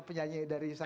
penyanyi dari sana